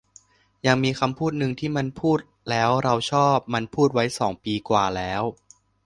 ยังมีคำพูดนึงที่มันพูดแล้วเราชอบ มันพูดไว้สองปีกว่าแล้ว